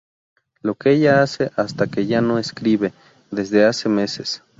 Lo que ella hace hasta que ya no escribe desde hace meses.